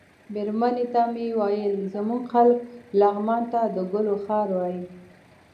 مېرمنې ته مې ویل زموږ خلک لغمان ته د ګلو هار وايي.